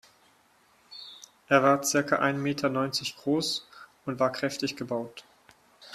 Er war circa ein Meter neunzig groß und war kräftig gebaut.